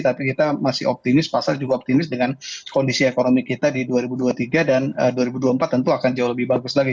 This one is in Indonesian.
tapi kita masih optimis pasar juga optimis dengan kondisi ekonomi kita di dua ribu dua puluh tiga dan dua ribu dua puluh empat tentu akan jauh lebih bagus lagi